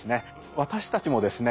私たちもですね